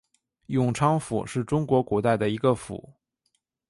永昌府是中国古代的一个府。